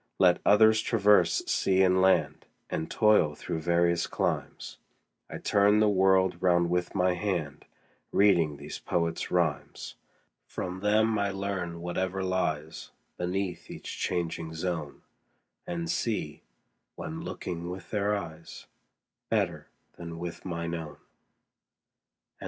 Let others traverse sea and land, And toil through various climes, 30 I turn the world round with my hand Reading these poets' rhymes. From them I learn whatever lies Beneath each changing zone, And see, when looking with their eyes, 35 Better than with mine own. H. W.